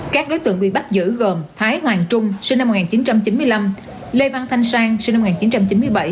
các đối tượng bị bắt giữ gồm thái hoàng trung sinh năm một nghìn chín trăm chín mươi năm lê văn thanh sang sinh năm một nghìn chín trăm chín mươi bảy